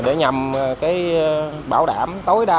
để nhằm bảo đảm tối đa